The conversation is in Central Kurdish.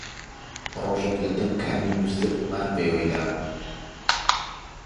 ڕۆژێک لە دەم کانی نوستبوو، مار پێوەی دابوو